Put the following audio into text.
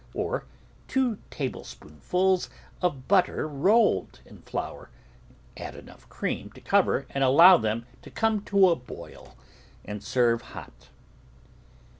Or, two tablespoonfuls of butter rolled in flour, add enough cream to cover and allow them to come to a boil, and serve hot.